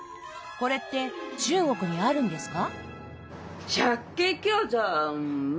これって中国にあるんですか？